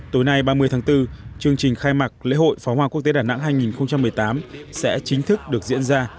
tối nay ba mươi tháng bốn chương trình khai mạc lễ hội pháo hoa quốc tế đà nẵng hai nghìn một mươi tám sẽ chính thức được diễn ra